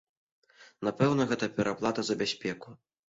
Напэўна, гэта пераплата за бяспеку.